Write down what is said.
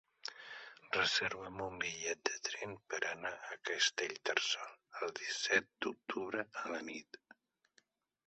Reserva'm un bitllet de tren per anar a Castellterçol el disset d'octubre a la nit.